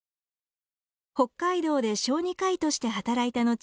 北海道で小児科医として働いた後